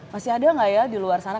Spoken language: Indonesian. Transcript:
masih ada nggak ya di luar sana